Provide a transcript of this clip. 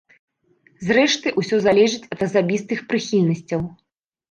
Зрэшты, усё залежыць ад асабістых прыхільнасцяў.